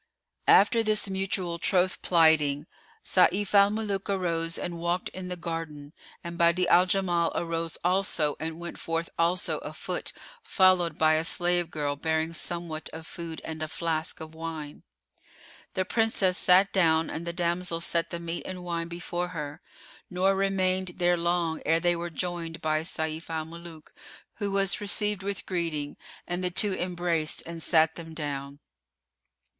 After this mutual troth plighting, Sayf al Muluk arose and walked in the garden and Badi'a al Jamal arose also and went forth also afoot followed by a slave girl bearing somewhat of food and a flask[FN#454] of wine. The Princess sat down and the damsel set the meat and wine before her: nor remained they long ere they were joined by Sayf al Muluk, who was received with greeting and the two embraced and sat them down.